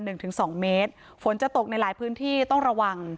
หนึ่งถึงสองเมตรฝนจะตกในหลายพื้นที่ต้องระวัง